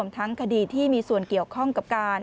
ทั้งคดีที่มีส่วนเกี่ยวข้องกับการ